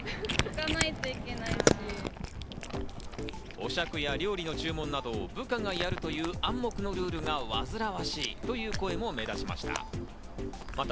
お酌や料理の注文などを部下がやるという暗黙のルールがわずらわしいという声も目立ちました。